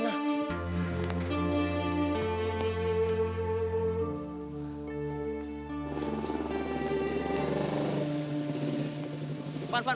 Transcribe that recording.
tidak ada kerjaan